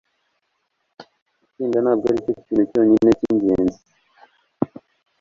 Gutsinda ntabwo aricyo kintu cyonyine cyingenzi.